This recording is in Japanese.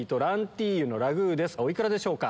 お幾らでしょうか？